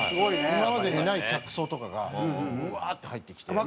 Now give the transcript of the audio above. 今までにない客層とかがうわーって入ってきて。